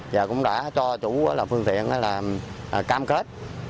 và cũng đã cho chủ phương tiện cam kết